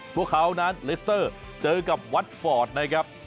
พวกเขานั้นเลสเตอร์เจอกับวัดฟอร์ดนะครับ